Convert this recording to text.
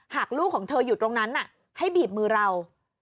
ลูกของเธออยู่ตรงนั้นให้บีบมือเรา